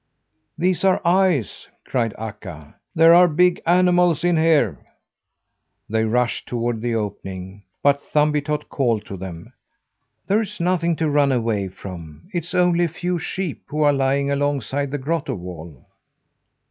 "These are eyes!" cried Akka. "There are big animals in here." They rushed toward the opening, but Thumbietot called to them: "There is nothing to run away from! It's only a few sheep who are lying alongside the grotto wall."